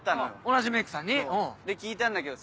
同じメイクさんに？で聞いたんだけどさ。